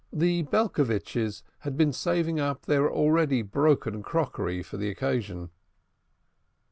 The Belcovitches had been saving up their already broken crockery for the occasion.